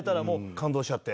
感動しちゃって？